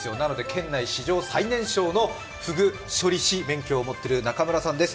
県内史上最年少のふぐ処理師免許を持っている、中村さんです。